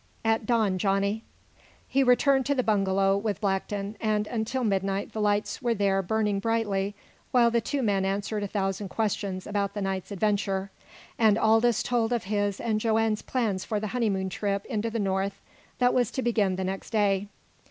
"At dawn, Johnny." He returned to the bungalow with Blackton, and until midnight the lights there burned brightly while the two men answered a thousand questions about the night's adventure, and Aldous told of his and Joanne's plans for the honeymoon trip into the North that was to begin the next day.